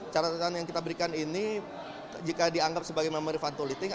catatan yang kita berikan ini jika dianggap sebagai memory fantolitik